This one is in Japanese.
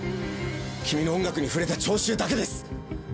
君の音楽に触れた聴衆だけです。